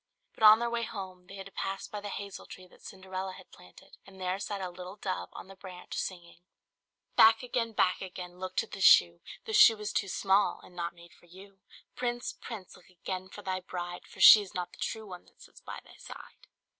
But on their way home they had to pass by the hazel tree that Cinderella had planted and there sat a little dove on the branch singing "Back again! back again! look to the shoe! The shoe is too small, and not made for you! Prince! prince! look again for thy bride, For she's not the true one that sits by thy side."